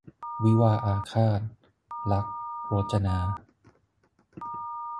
วิวาห์อาฆาต - ลักษณ์ โรจนา